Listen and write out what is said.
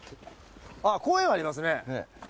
あっ公園はありますね。